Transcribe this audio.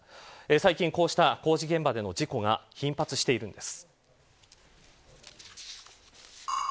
最近こうした工事現場での事故が頻発しているんです。